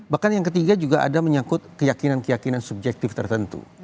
bahkan yang ketiga juga ada menyangkut keyakinan keyakinan subjektif tertentu